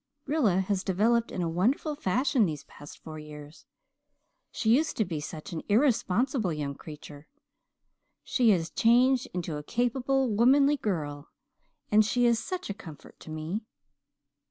"'Rilla has developed in a wonderful fashion these past four years. She used to be such an irresponsible young creature. She has changed into a capable, womanly girl and she is such a comfort to me.